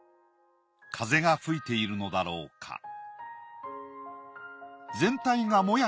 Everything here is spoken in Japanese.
風が吹いているのだろうか。